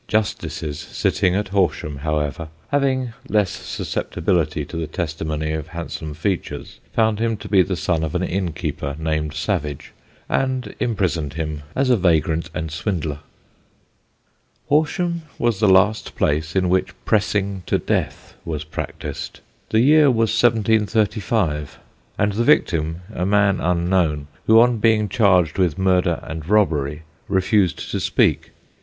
Justices sitting at Horsham, however, having less susceptibility to the testimony of handsome features, found him to be the son of an innkeeper named Savage, and imprisoned him as a vagrant and swindler. [Sidenote: PRESSING TO DEATH] Horsham was the last place in which pressing to death was practised. The year was 1735, and the victim a man unknown, who on being charged with murder and robbery refused to speak.